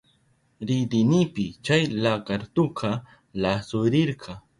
Ridinipi chay lakartuka lasurirka.